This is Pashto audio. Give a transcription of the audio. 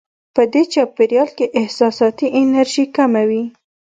په دې چاپېریال کې احساساتي انرژي کمه وي.